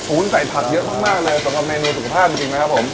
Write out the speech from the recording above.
ใส่ผักเยอะมากเลยสำหรับเมนูสุขภาพจริงนะครับผม